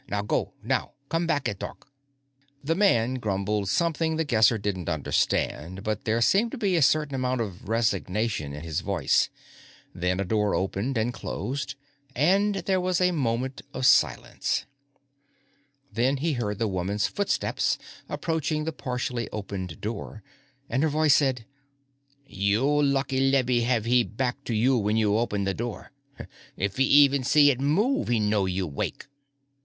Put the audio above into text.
Now, go, now. Come back at dark." The man grumbled something The Guesser didn't understand, but there seemed to be a certain amount of resignation in his voice. Then a door opened and closed, and there was a moment of silence. Then he heard the woman's footsteps approaching the partially opened door. And her voice said: "You lucky Lebby have he back to you when you open the door. If he even see it move, he know you wake."